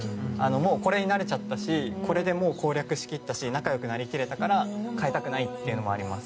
これに慣れちゃったし、これで攻略しきったし仲良くなりきったからかえたくないというのもあります。